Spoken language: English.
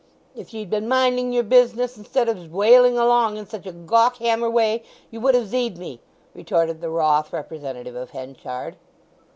"If ye'd been minding your business instead of zwailing along in such a gawk hammer way, you would have zeed me!" retorted the wroth representative of Henchard.